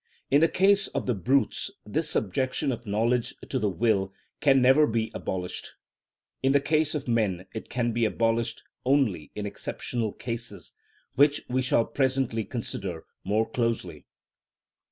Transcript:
In the case of the brutes this subjection of knowledge to the will can never be abolished. In the case of men it can be abolished only in exceptional cases, which we shall presently consider more closely.